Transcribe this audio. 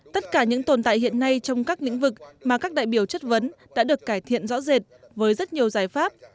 tất cả những tồn tại hiện nay trong các lĩnh vực mà các đại biểu chất vấn đã được cải thiện rõ rệt với rất nhiều giải pháp